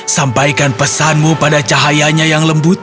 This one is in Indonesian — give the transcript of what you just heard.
sampaikan pesanmu pada cahayanya yang lembut